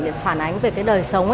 để phản ánh về cái đời sống